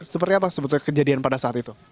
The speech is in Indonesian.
seperti apa sebetulnya kejadian pada saat itu